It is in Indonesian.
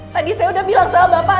tadi saya udah bilang sama bapak